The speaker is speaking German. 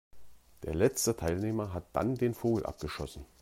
Der letzte Teilnehmer hat dann den Vogel abgeschossen.